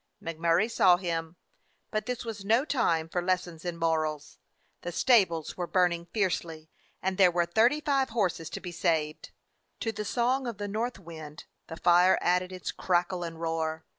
Mac Murray saw him, but this was no time for lessons in morals. The stables were burning fiercely, and there were thirty five horses to be saved. To the song of the north wind the fire added its crackle and roar.